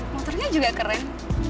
motornya juga keren